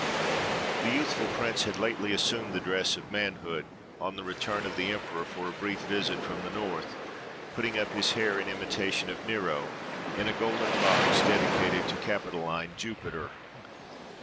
The youthful prince had lately assumed the dress of manhood, on the return of the emperor for a brief visit from the North; putting up his hair, in imitation of Nero, in a golden box dedicated to Capitoline Jupiter.